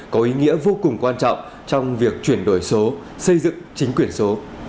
có ý nghĩa vô cùng quan trọng trong việc chuyển đổi số xây dựng chính quyền số